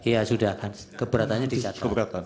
ya sudah keberatannya dicatat keberatan